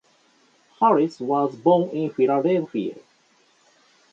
Harris was born in Philadelphia.